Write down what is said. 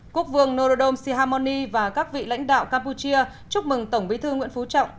quốc vương norodom sihamoni và các vị lãnh đạo campuchia chúc mừng tổng bí thư nguyễn phú trọng